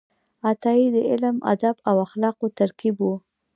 عطايي د علم، ادب او اخلاقو ترکیب و.